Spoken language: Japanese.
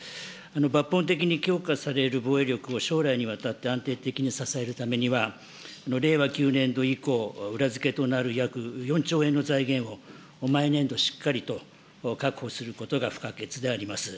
抜本的に強化される防衛力を将来にわたって安定的に支えるためには、令和９年度以降、裏付けとなる約４兆円の財源を、毎年度しっかりと確保することが不可欠であります。